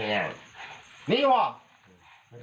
ดีพร้อมเหรอดีพร้อมแต่ก่อน